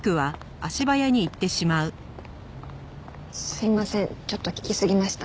すいませんちょっと聞きすぎました。